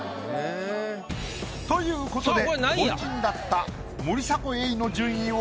ということで凡人だった森迫永依の順位は。